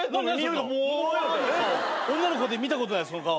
女の子で見たことないその顔。